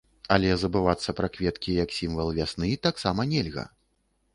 Але забывацца пра кветкі як сімвал вясны таксама нельга!